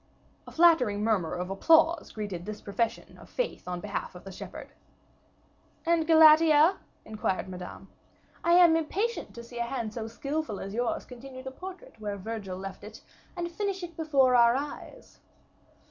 A flattering murmur of applause greeted this profession of faith on behalf of the shepherd. "And Galatea?" inquired Madame. "I am impatient to see a hand so skillful as yours continue the portrait where Virgil left it, and finish it before our eyes."